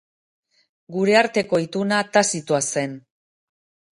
Gure arteko ituna tazitoa zen.